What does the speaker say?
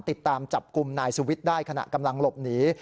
ติดตามจับกลุ่มนายสุวิทย์ได้ขณะกำลังหลบหนี